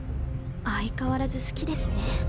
相変わらず好きですね。